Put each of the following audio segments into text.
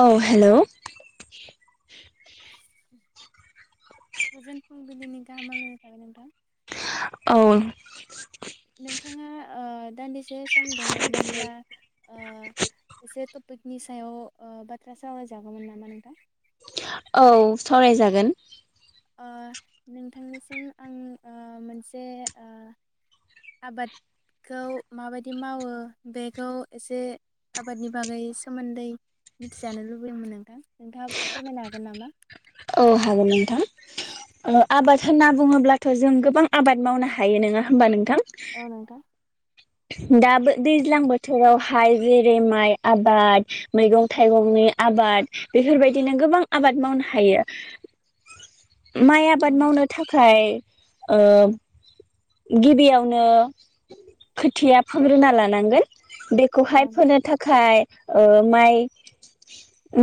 औ हेलौ गोजोन फुंबिलिनि गाहाम हामब्लायनाय थाबाय नोंथां। औ दानदिसेस सम दङमोनब्ला ओ एसे टप फोदनि सायाव ओ बाथ्रा सावरायजागौमोन नामा नोंथां? औ सावरायजागोन ओ नोंथांनिसिम आं ओ मोनसे ओ आबादखौ माबायदि मावो बेखौ एसे आबादनि बागै सोमोन्दै मिथिजानो लुबैयमोन नोंथां। नोंथाङा फोरमायनो हागोन नामा? औ हागोन नोंथां। ओ आबाद होनना बुङोब्लाथ' जों गोबां आबाद मावनो हायो। नोङा होमबा नोंथां? औ नोंथा। दा दैज्लां बोथोरावहाय जेरै माइ आबाद मैगं थाइगंनि आबाद बेफोरबायदिनो गोबां आबाद मावनो हायो। माइ औ आबाद मावनो नोंथां थाखाय ओ गिबियावनो खोथिया फोग्रोना लानांगोन। औ बेखौहाय नोंथां फोनो थाखाय ओ माइ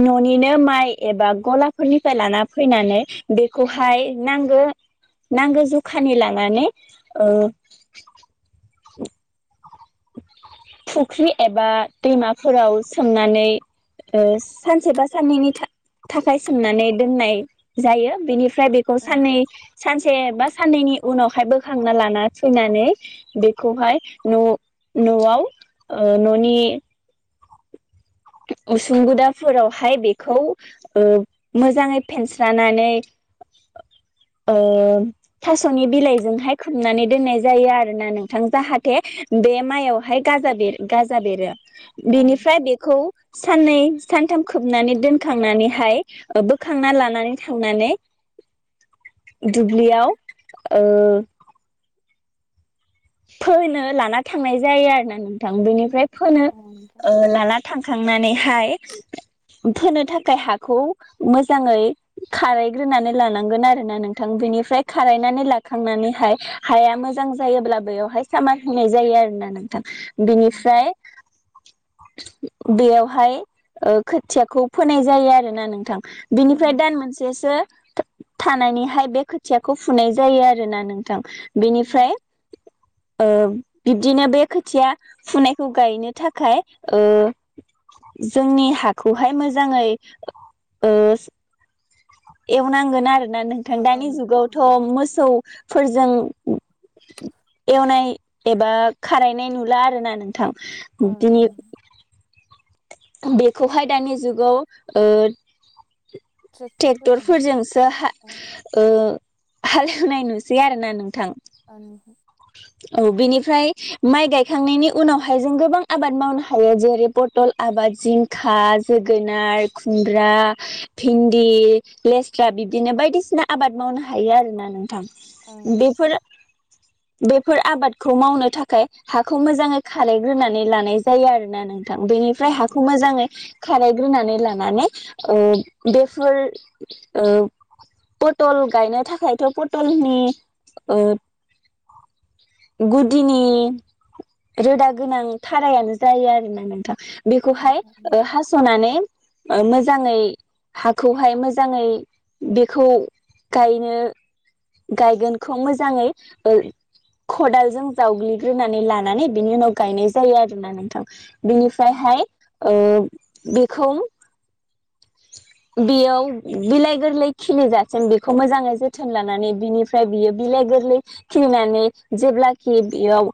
न'निनो माइ एबा गलाफोरनिफ्राय लाना फैनानै बेखौहाय नांगो नांगो जखानि लानानै ओ फुख्रि एबा दैमाफोराव सोमनानै ओ सानसे बा साननैनि थाख थाखाय सोमनानै दोननाय जायो बिनि ओमफ्राय बेखौ औ साननै नोंथां सानसे बा साननैनि उनावहाय बोखांना लाना फैनानै बेखौहाय न' न'आव ओ न'नि उसुं गुदाफोरावहाय बेखौ ओ मोजाङै फेनस्रानानै ओ थास'नि बिलाइजोंहाय खोबनानै दोननाय जायो आरो ना नोंथां जाहाथे बे माइयावहाय गाजा बेर गाजा बेरो औ बिनिफ्राय नोंथां बेखौ साननै सानथाम खोबनानै दोनखांनानैहाय ओ बोखांना लानानै थांनानै औ नोंथां दुब्लियाव ओ फोनो लाना थांनाय जायो आरोना नोंथां बेनिफ्राय फोनो औ नोंथां ओ लाना थांखांनानैहाय फोनो थाखाय हाखौ मोजाङै खारायग्रोनानै लानांगोन आरोना नोंथां बेनिफ्राय खारायनानै लाखांनानैहाय हाया मोजां जायोब्ला बेवहाय सामार होनाय जायो आरो ना नों औ नोंथां बिनिफ्राय बेयावहाय ओ खोथियाखौ फोनाय जायो आरोना नोंथां औ बिनिफ्राय दान नोंथां मोनसेसो थानायानानैहाय बे खोथियाखौ फुनाय जायो आरोना नोंथां औ बेनिफ्राय बिब्दिनो बे खोथिया फुनायखौ गायनो थाखाय ओ जोंनि हाखौहाय मोजाङै ओ एवनांगोन आरो ना नोंथां ओ ओ दानि नोंथां जुगावथ' मोसौफोरजों [inaudible] एवनाय एबा खारायनाय नुला आर ना नोंथां। ओ दिनै ओ बेखौहाय दानि जुगाव ओ ट्रेक्टरफोरजों टेक्टरफोरजोंसो हा ओ ओ हाल हेवनाय नुसै आरो ना नोंथां अ नोंथां औ बिनिफ्राय माइ गायखांनायनि उनावहाय जों गोबां आबाद मावनो हायो जेरै पटल आबाद जिंखा जोगोनार खुमब्रा भिन्दि लेस्रा बिब्दिनो बायदिसिना आबाद मावनो हायो आरोना नोंथां। औ नोंथां बेफोर बेफोर आबादखौ मावनो थाखाय हाखौ मोजाङै खारायग्रोनानै लानाय जायो आरोना नोंथां बेनि औ निफ्राय औ हाखौ मोजाङै खारायग्रोनानै लानानै ओ बेफोर पटल गायनो थाखायथ' पटलनि ओ गुदिनि रोदा गोनां थारायानो जायो आरोना नोंथां औ बेखौहाय औ ओ नोंथां हास'नानै मोजाङै हाखौहाय मोजाङै बेखौ गायनो गायगोनखौ मोजाङै ओ खदालजों जावग्लिग्रोनानै लानानै बिनि उनाव गायनाय जायो आरोना नोंथां औ औ नोंथां बेनिफ्रायहाय ओ बेखौ बेयाव बिलाइ गोरलै खिलिजासिम बेखौ मोजाङै जोथोन लानानै बिनिफ्राय बियो बिलाइ गोरलै खिलिनानै जेब्लाखि बेयाव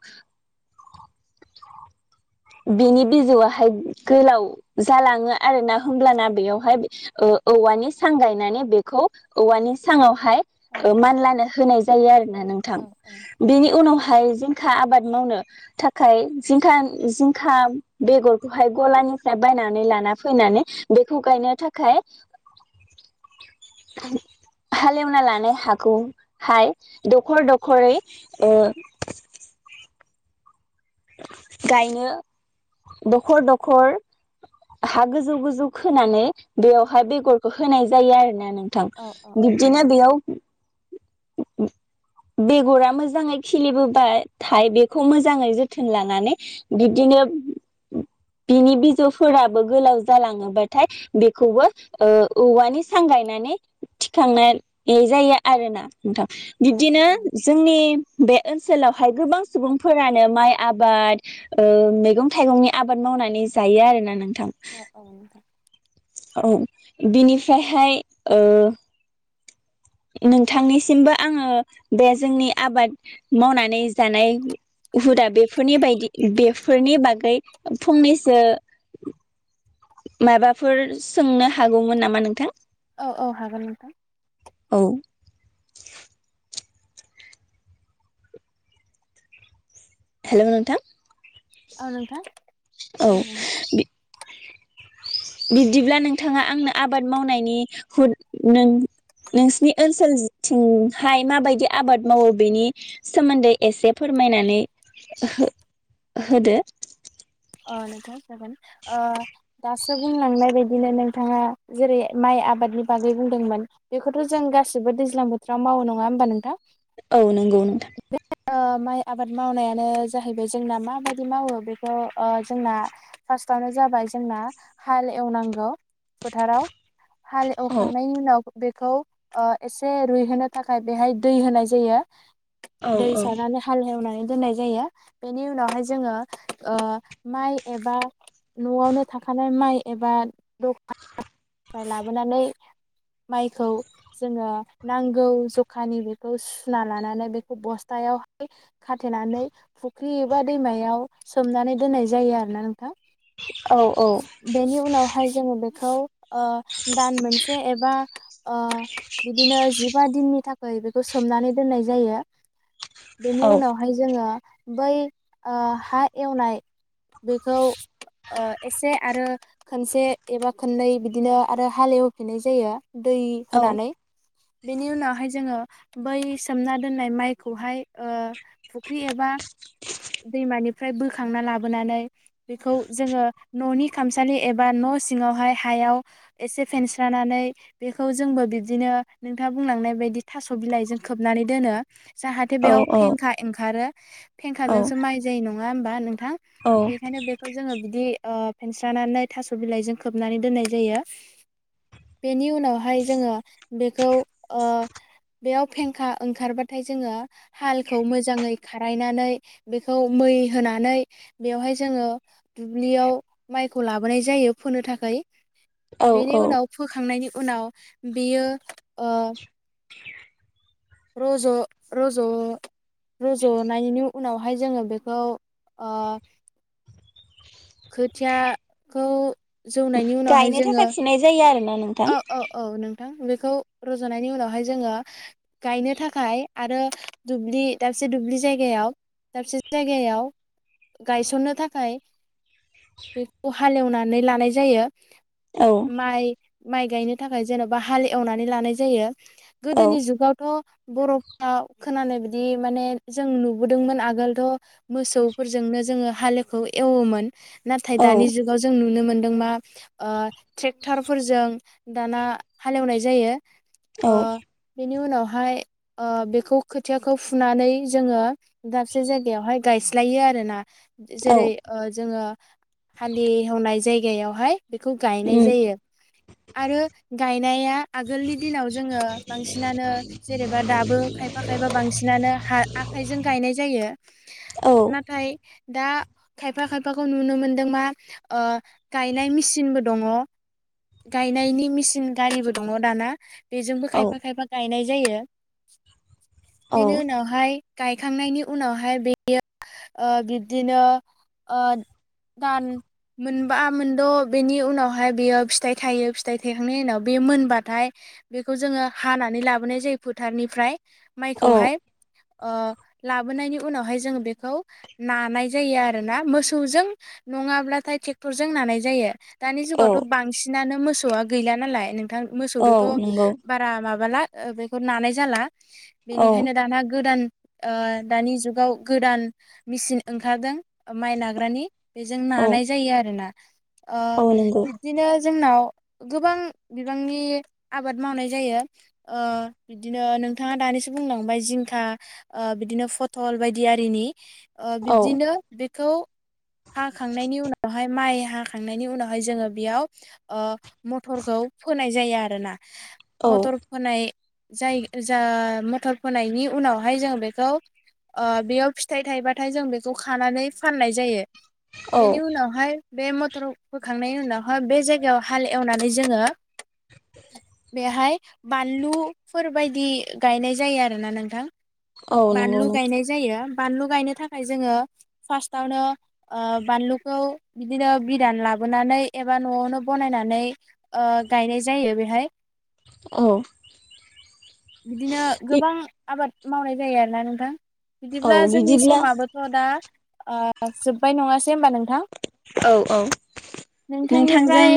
बिनि बिजौआहाय गोलाव जालाङो आर ना होमब्लाना बेयावहाय ओ औवानि सां गायनानै बेखौ औवानि सांआव हाय औ औ मानलानो होनाय जायो आरोना नोंथां औ औ बेनि उनावहाय जिं जिंखा आबाद मावनो थाखाय जिंखा जिं खा बेगरखौहाय गलानिफ्राय बायनानै लाना फैनानै बेखौ गायनो थाखाय हालेवना लानाय हाखौहाय दखर दखरै ओ गायनो दखर दखर हा गोजौ गोजौ खोनानै बेयावहाय औ औ बेगरखौ होनाय जायो आरो ना नोंथां औ बिब्दिनो बेयाव बेगरा मोजाङै खिलिबोबाथाय बेखौ मोजाङै जोथोन लानानै बिब्दिनो बिनि बिजौफोराबो गोलाव जालाङोबाथाय बेखौबो ओ औवानि सांग गायनानै थिखांनाय जायो आरोना। नोंथां औ औ बिब्दिनो जोंनि बे ओनसोल ओनसोलावहाय गोबां सुबुंफोरानो माइ आबाद ओ मैगं थाइगंनि आबाद मावनानै जायो आरोना नों औ औ नोंथां औ बिनिफ्रायहाय ओ नोंथांनिसिमबो आङो बे जोंनि आबाद मावनानै जानाय हुदा बेफोरनि बायदि बेफोरनि बागै फंनैसो माबाफोर सोंनो हागौमोन नामा नोंथां? औ औ हागोन नोंथां। औ हेल' नोंथां औ नोंथां। औ खोनादोंना बि बिबदिब्ला नोंथाङा आंनो आबाद मावनायनि हुद नों नोंसिनि ओनसोल थिं हाय माबायदि आबाद मावो बेनि सोमोन्दै एसे फोरमायनानै हो होदो। अ नोंथां जागोन ओ दासो बुंलांनाय बायदिनो नोंथाङा जेरै माइ आबादनि बागै बुंदोंमोन बेखौथ' जों गासिबो दैज्लां बोथोराव मावो नङा होमबा नोंथां? औ नोंगौ नोंथां ओ माइ आबाद मावनायानो जाहैबाय जोंना माबायदि मावो बेखौ आ जोंना फास्ट आवनो जाबाय जोंना हाल एवनांगौ फोथाराव हाल औ एवखांनायनि उनाव बेखौ ओ एसे रुइहोनो थाखाय बेहाय दै होनाय जायो। औ दै औ सारनानै हाल हेवनाय दोननाय जायो बेनि उनावहाय जोङो ओ माइ एबा न'आवनो थाखानाय माइ एबा दखान [inaudible] निफ्राय लाबोनानै माइखौ जोङो नांगौ जखानि बेखौ सुना लानानै बेखौ बस्थायावहाय खाथेनानै फुख्रि एबा दैमायाव सोमनानै दोननाय जायो आरो ना नों थां औ बेनि उनावहाय जोङो बे खौ ओ दान मोनसे एबा ओ बिदिनो जिबा दिननि थाख खै बेखौ सोमनानै दोननाय जायो। बेनि औ उनावहाय जोङो बै ओ हा एवनाय बेखौ ओ एसे आरो खोनसे एबा खोननै बि दिनो आरो हालेव हिफिन्नाय जायो। दै औ होनानै बिनि उनावहाय जोङो बै सोमना दोननाय माइखौहाय ओ फुख्रि एबा दैमानिफ्राय बोखांना लाबोनानै बेखौ जोङो न'नि खामसालि एबा न' सिङावहाय हायाव एसे फेनस्रानानै बेखौ जोंबो बिब्दिनो नोंथाङा बुंलांनाय बायदि थास' बिलाइजों खोबनानै दोनो। जाहाथे औ बेयाव फेंखा एंखारो औ फेंखाजोंसो माइ जायो नङा होमबा? थां औ बेखायनो बेखौ जोङो बिदि ओ फेनस्रानानै थास' बिलाइजों खोबनानै दोननाय जायो। बेनि उनावहाय जोङो बेखौ ओ बेयाव फेंखा ओंखारबाथाय जोङो हालखौ मोजाङै खारायनानै बेखौ मै होनानै बेवहाय जोङो दुब्लियाव माइखौ लाबोनाय जायो फोनो थाखाय। औ बेनि औ उनाव फोखांनायनि उनाव बेयो ओ रज' रज' रज'नायनि उनावहाय जोङो बेखौ ओ खोथियाखौ जौनायनि उनावहाय गायनो जोङो थाखाय फिनाय जायो आरो ना? औ औ औ नोंथां बेखौ रजनायनि उनावहाय जोङो गायनो थाखाय आरो दुब्लि दाबसे दुब्लि जायगायाव दाबसे जायगायाव गायसननो थाखाय बेखौ हालेवनानै लानाय जायो। औ माइ माइ गायनो थाखाय जेनबा हाल एवनानै लानाय जायो। औ गोदोनि जुगावथ' बर'फ्रा खोनानाय बिदि माने जों नुबोदोंमोन आगोलथ मोसौफोरजोंनो जोङो हालखौ एवोमोन। नाथाय औ दानि जुगाव जों नुनो मोनो। मा ओ ट्रेक्टरफोरजों दाना हालेवनाय जायो। औ ओ बेनि उनावहाय हाय बेखौ खोथियाखौ फुनानै जोङो दाबसे जायगायावहाय गायस्लायो आरो ना औ जेरै ओ जोङो हालि हेवनाय जाय बेयाव हाय बेखौ गायनाय उम जायो। आरो गायनाया आगोलनि दिनाव जोङो बांसिनानो जेनेबा दाबो खायफा खायफा बांसिनानो आखाइजों गायनाय जायो औ नाथाय दा खायफा खायफाखौ नुनो मोनदों मा ओ गायनाय मेसिनबो दङ। गायनायनि मेसिन गारिबो दङ दाना बेजोंबो औ खायफा खायफा गायनाय जायो। औ बेनि उनावहाय गायखांनायनि उनावहाय बेयो ओ बिब्दिनो दान मोनबा मोनद बेनि उनावहाय बेयो फिथाइ थायो फिथाइ थाइखांनायनि उनाव बे मोनबाथाय बेखौ जोङो हानानै लाबोनाय जायो फोथारनिफ्राय औ माइखौहाय ओ लाबोनायनि उनावहाय जोङो बेखौ नानाय जायो आरो ना मोसौजों नङाब्लाथाय ट्रेक्टरजों नानाय जायो दानि औ जुगावथ' बांसिन नानो मोसौआ गैला नालाय। नोंथां औ मोसौजोंथ नंगौ बारा माबाला बेखौ नानाय जाला औ बेनिखायनो दाना गोदान ओ दानि जुगाव गोदान मेसिन ओंखारदों माइ नाग्रानि बेजों औ नानाय जायो आरो ना ओ औ नंगौ बिदिनो जोंनाव गोबां बिबांनि आबाद मावनाय जायो ओ बिदिनो नोंथाङा दानिसो बुंलांबाय जिंखा बिदिनो फथल बायदि आरिनि ओ औ बिब्दिनो खौ हाखांनायनि उनावहाय माइ हाखांनायनि उनावहाय जोङो बेयाव ओ मथरखौ फोनाय जायो आरो ना औ मटर फोनाय जाय जा मथर फोनायनि उनावहाय जों बेखौ ओ बेयाव फिथाइ थाइबाथाय जों बेखौ खानानै फाननाय जायो औ बेनि उनावहाय बे मथ र फोखांनायनि उनाव बे जायगायाव हाल एवनानै जोङो बेहाय बानलुफोर बायदि गायनाय जायो आरो ना नोंथां औ नंगौ बानलु गायनाय जायो बानलु गायनो थाखाय जोङो फार्स्टआवनो ओ बानलुखौ बिदिनो बिदान लाबोनानै एबा न'आवनो बनायनानै ओ गायनाय जायो बेहाय औ बिदिनो गोबां आबाद मावनाय जायों आरो ना नोंथां औ बिदिब्ला जोंनि बिदिब्ला समाबोथ' दा ओ जोब्बाय नङा से होमबा नोंथां औ औ नोंथांनिफ्राय नोंथांजों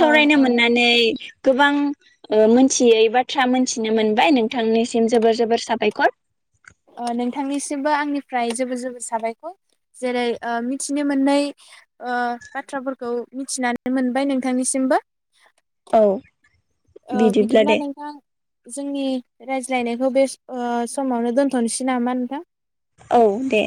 ओ ओ मोननानै गोबां ओ मोनथियै बाथ्रा मोनथिनो मोनबाय नोंथांनिसिम जोबोर जोबोर साबायखर ओ नोंथांनिसिमबो आंनिफ्राय जेबोर जेबोर साबायखर जेरै मिथिनो मोननाय बाथ्राफोरखौ मिथिनानै मोनबाय नोंथांनिसिमबो औ ओ बिदिब्ला नोंथां जोंनि रायज्लायनायखौ बे ओ समावनो दोन्थ'नोसै नामा नोंथां औ दे